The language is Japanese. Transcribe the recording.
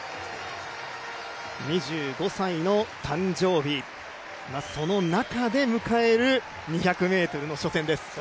２５歳の誕生日、その中で迎える２００ｍの初戦です。